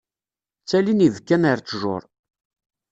Ttalin yibekkan ar ṭṭjuṛ.